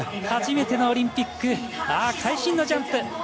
初めてのオリンピック会心のジャンプ。